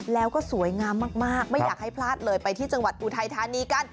แล้วก็สวยงามมากไม่อยากให้พลาดเลยไปที่จังหวัดอุทัยธานีกัน